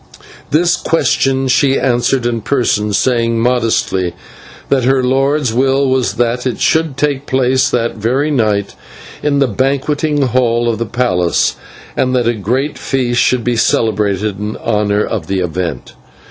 This question she answered in person, saying modestly that it was her lord's will that it should take place that very night in the banqueting hall of the palace, and that a great feast should be celebrated in honour of it.